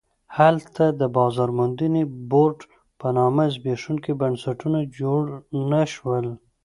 هلته د بازار موندنې بورډ په نامه زبېښونکي بنسټونه جوړ نه شول.